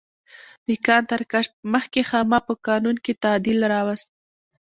د کان تر کشف مخکې خاما په قانون کې تعدیل راوست.